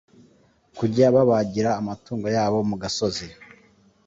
kujya babagira amatungo yabo mu gasozi